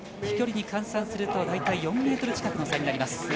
飛距離に換算するとだいたい４ｍ近くの差になります。